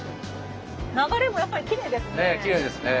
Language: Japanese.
流れもやっぱりきれいですね。